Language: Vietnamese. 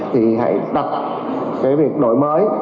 thì hãy tập cái việc đổi mới